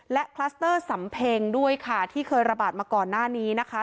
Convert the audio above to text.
และคลัสเตอร์สำเพ็งด้วยค่ะที่เคยระบาดมาก่อนหน้านี้นะคะ